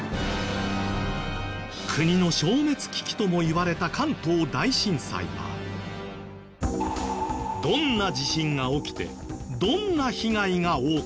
国の消滅危機ともいわれた関東大震災はどんな地震が起きてどんな被害が多かった？